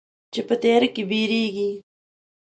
چې په تیاره کې بیریږې